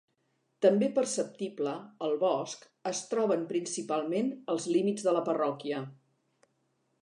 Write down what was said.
També perceptible, al bosc es troben principalment els límits de la parròquia.